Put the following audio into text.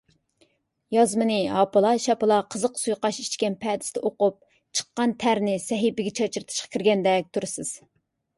يازمىنى ھاپىلا - شاپىلا قىزىق سۇيۇقئاش ئىچكەن پەدىسىدە ئوقۇپ، چىققان تەرنى سەھىپىگە چاچرىتىشقا كىرگەندەك تۇرىسىز.